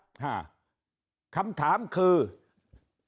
คราวนี้เจ้าหน้าที่ป่าไม้รับรองแนวเนี่ยจะต้องเป็นหนังสือจากอธิบดี